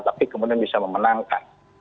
tapi kemudian bisa memenangkan